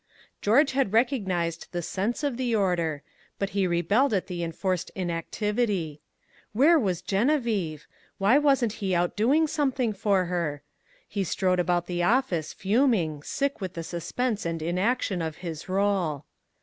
George had recognized the sense of the order, but he rebelled at the enforced inactivity. Where was Geneviève? why wasn't he out doing something for her? He strode about the office, fuming, sick with the suspense and inaction of his rôle.